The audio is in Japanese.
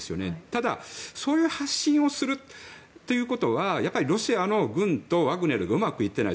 ただ、そういう発信をするということはやっぱりロシアの軍とワグネルがうまくいっていない。